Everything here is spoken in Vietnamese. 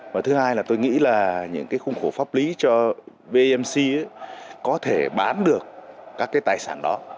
và thứ hai là tôi nghĩ là những cái khung khổ pháp lý cho bmc có thể bán được các cái tài sản đó